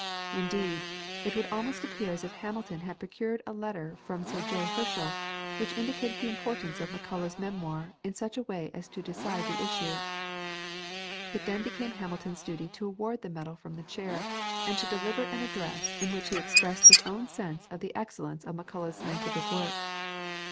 Indeed, it would almost appear as if Hamilton had procured a letter from Sir J. Herschel, which indicated the importance of Macullagh's memoir in such a way as to decide the issue. It then became Hamilton's duty to award the medal from the chair, and to deliver an address in which he expressed his own sense of the excellence of Macullagh's scientific work.